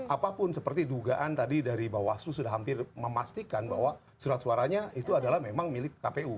apapun seperti dugaan tadi dari bawaslu sudah hampir memastikan bahwa surat suaranya itu adalah memang milik kpu